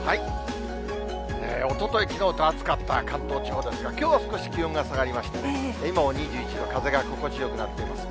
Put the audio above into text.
おととい、きのうと暑かった関東地方ですが、きょうは少し気温が下がりまして、今も２１度、風が心地よくなっています。